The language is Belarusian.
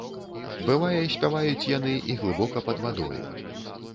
Бывае, спяваюць яны і глыбока пад вадою.